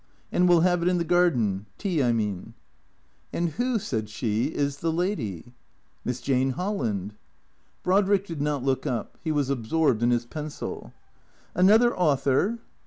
And we '11 have it in the garden. Tea, I mean." 158 THECKEATOES " And who," said she, " is the lady ?"" Miss Jane Holland." Brodrick did not look up. He was absorbed in his pencil. " Another author